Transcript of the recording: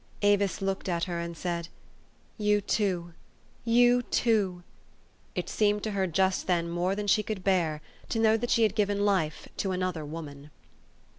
Avis looked at her, and said, " You too, you too!" It seemed to her just then more than she could bear, to know that she had given life to another woman.